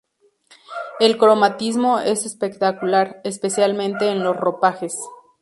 El cromatismo es espectacular, especialmente en los ropajes.